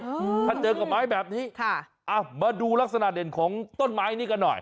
อืมถ้าเจอกับไม้แบบนี้ค่ะอ้าวมาดูลักษณะเด่นของต้นไม้นี้กันหน่อย